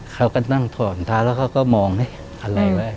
เขาก็ตั้งถ่วงถ้าแล้วเขาก็มองอะไรไว้